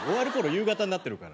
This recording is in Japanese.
夕方になってるから。